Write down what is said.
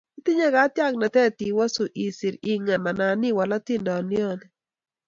itinye katyaknatet iwosu, iser, ing'im anan iwal atindyoni.